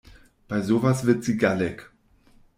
Bei sowas wird sie gallig.